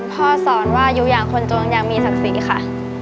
พ่อสอนว่าอยู่อย่างคนจวงอย่างมีศักดิ์ศรีค่ะ